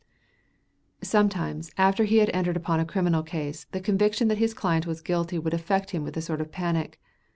Sometimes, after he had entered upon a criminal case, the conviction that his client was guilty would affect him with a sort of panic.